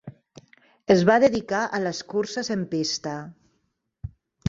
Es va dedicar a les curses en pista.